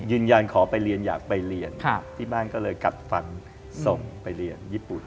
ยืนยันขอไปเรียนอยากไปเรียนที่บ้านก็เลยกัดฟันส่งไปเรียนญี่ปุ่น